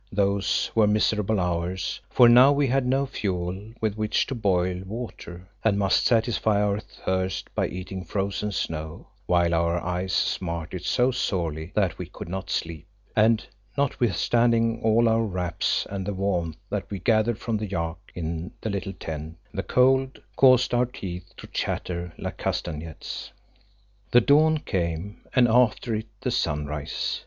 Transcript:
Those were miserable hours, for now we had no fuel with which to boil water, and must satisfy our thirst by eating frozen snow, while our eyes smarted so sorely that we could not sleep, and notwithstanding all our wraps and the warmth that we gathered from the yak in the little tent, the cold caused our teeth to chatter like castanets. The dawn came, and, after it, the sunrise.